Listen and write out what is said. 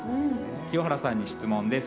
清原さんに質問です。